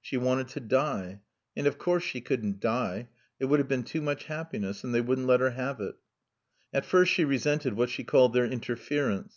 She wanted to die. And of course she couldn't die. It would have been too much happiness and they wouldn't let her have it. At first she resented what she called their interference.